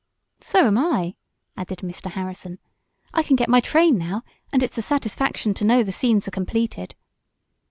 "So am I!" added Mr. Harrison. "I can get my train now, and it's a satisfaction to know that the scenes are completed."